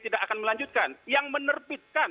tidak akan melanjutkan yang menerbitkan